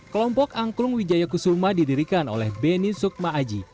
kelompok angklung wijaya kusuma didirikan oleh beni sukma aji